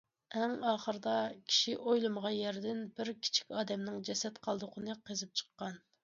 ئەڭ ئاخىرىدا كىشى ئويلىمىغان يەردىن بىر كىچىك ئادەمنىڭ جەسەت قالدۇقىنى قېزىپ چىققان.